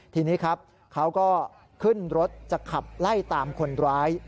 ทีนี้ครับเขาก็ขึ้นรถจะขับไล่ตามคนร้าย